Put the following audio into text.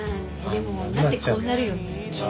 でも女ってこうなるよね。